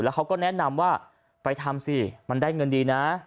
เขาก็แนะนำว่าไปทำสิมันได้เงินดีนะ